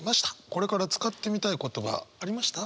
これから使ってみたい言葉ありました？